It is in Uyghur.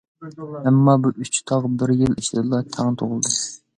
ئەمما بۇ ئۈچ تاغ بىر يىل ئىچىدىلا تەڭ غۇلىدى.